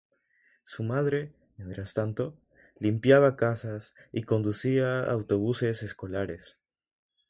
Su madre, mientras tanto, limpiaba casas y conducía autobuses escolares.